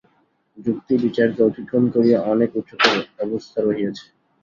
যুক্তিবিচারকে অতিক্রম করিয়া অনেক উচ্চতর অবস্থা রহিয়াছে।